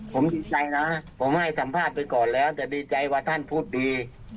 ผมดีใจนะผมให้สัมภาษณ์ไปก่อนแล้วแต่ดีใจว่าท่านพูดดี